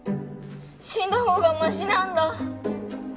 死んだ方がマシなんだ